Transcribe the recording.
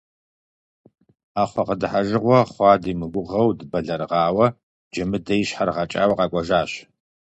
Ӏэхъуэ къыдыхьэжыгъуэ хъуа димыгугъэу дыбэлэрыгъауэ, Джэмыдэ и щхьэр гъэкӀауэ къэкӀуэжащ.